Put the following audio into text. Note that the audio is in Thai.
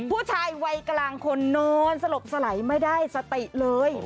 ผู้ชายวัยกลางคนนอนสลบสลายไม่ได้สติเลย